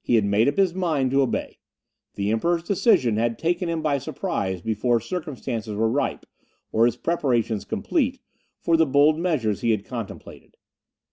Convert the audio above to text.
He had made up his mind to obey. The Emperor's decision had taken him by surprise before circumstances were ripe, or his preparations complete, for the bold measures he had contemplated.